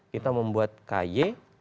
kita membuat ky